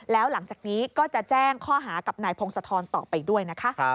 แล้วหลังจากนี้ก็จะแจ้งข้อหากับนายพงศธรต่อไปด้วยนะคะ